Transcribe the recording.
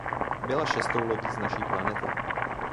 Byla šestou lodí z naší planety.